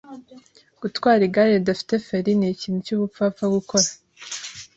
Gutwara igare ridafite feri nikintu cyubupfapfa gukora.